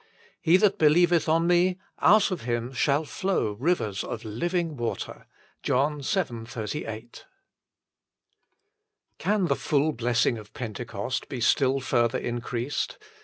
"He that believeth on Me, out of him shall flow rivers of living water." JOHN vii. 38. the full blessing of Pentecost be still further increased